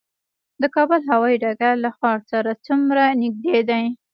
د کابل هوايي ډګر له ښار سره څومره نږدې دی؟